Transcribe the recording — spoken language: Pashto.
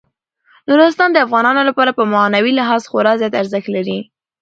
نورستان د افغانانو لپاره په معنوي لحاظ خورا زیات ارزښت لري.